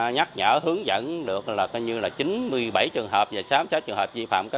nhắc nhở hướng dẫn được chín mươi bảy trường hợp